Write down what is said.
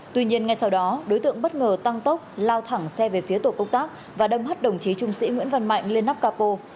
tuy nhiên ngay sau đó đối tượng bất ngờ tăng tốc lao thẳng xe về phía tổ công tác và đâm hất đồng chí trung sĩ nguyễn văn mạnh lên nắp capo